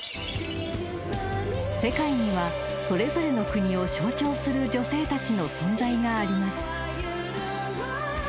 ［世界にはそれぞれの国を象徴する女性たちの存在があります］